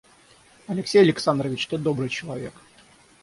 Алексей Александрович, ты добрый человек.